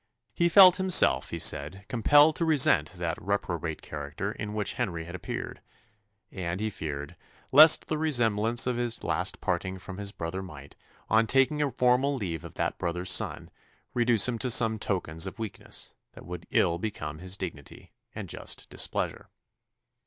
He felt himself, he said, compelled to resent that reprobate character in which Henry had appeared; and he feared "lest the remembrance of his last parting from his brother might, on taking a formal leave of that brother's son, reduce him to some tokens of weakness, that would ill become his dignity and just displeasure."